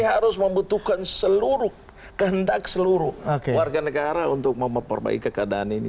harus membutuhkan seluruh kehendak seluruh warga negara untuk memperbaiki keadaan ini